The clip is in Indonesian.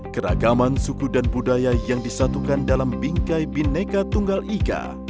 keragaman suku dan budaya yang disatukan dalam bingkai bineka tunggal ika